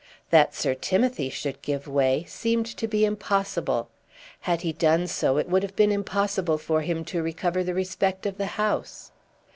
That Sir Timothy should give way seemed to be impossible. Had he done so it would have been impossible for him to recover the respect of the House.